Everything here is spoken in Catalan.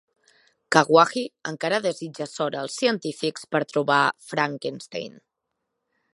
Kawaji encara desitja sort als científics per trobar Frankenstein.